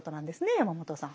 山本さん。